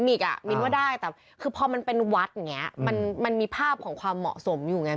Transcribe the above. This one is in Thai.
อีกอ่ะมินว่าได้แต่คือพอมันเป็นวัดอย่างนี้มันมีภาพของความเหมาะสมอยู่ไง